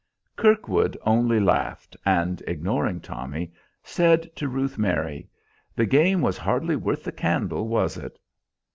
Kirkwood only laughed, and, ignoring Tommy, said to Ruth Mary, "The game was hardly worth the candle, was it?"